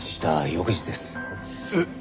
えっ。